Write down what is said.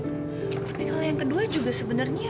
tapi kalau yang kedua juga sebenarnya